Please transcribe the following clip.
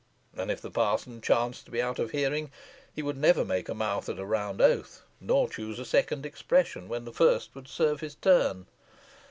And if the parson chanced to be out of hearing, he would never make a mouth at a round oath, nor choose a second expression when the first would serve his turn.